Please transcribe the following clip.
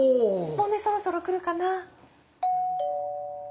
もうねそろそろ来るかな。